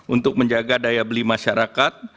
untuk menjaga daya beli masyarakat